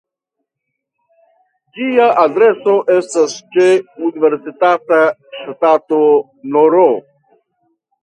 Ĝia adreso estas ĉe Universitata strato nr.